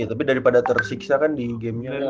tapi daripada tersiksa kan di gamenya